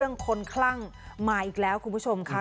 คนคลั่งมาอีกแล้วคุณผู้ชมค่ะ